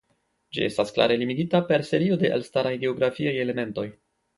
Ĝi estas klare limigita per serio de elstaraj geografiaj elementoj.